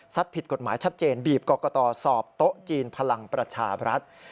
ผิดกฎหมายชัดเจนบีบกรกตสอบโต๊ะจีนพลังประชาบรัฐ